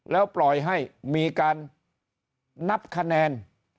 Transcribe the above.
แล้วปล่อยให้มีการนับคะแนน